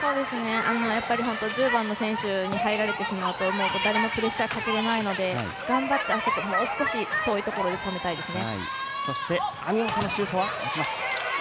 やっぱり１０番の選手に入られてしまうと誰もプレッシャーかけられないので頑張ってあそこ、もう少し遠いところで止めたいですね。